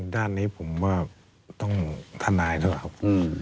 ด้านนี้ผมว่าต้องทนายแล้วครับ